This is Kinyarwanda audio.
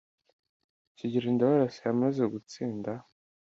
kigeri ndabarasa yamaze gutsinda